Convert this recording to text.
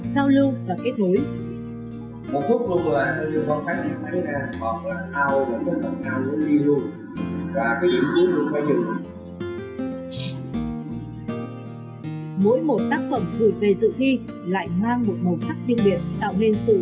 giao lưu và kết nối mỗi một tác phẩm gửi về dự thi lại mang một màu sắc riêng biệt tạo nên sự